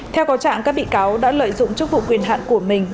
theo có trạng các bị cáo đã lợi dụng chức vụ quyền hạn của mình